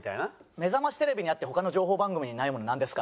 「『めざましテレビ』にあって他の情報番組にないものなんですか？」